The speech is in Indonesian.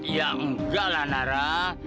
ya enggak lah nara